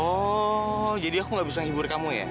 oh jadi aku nggak bisa hibur kamu ya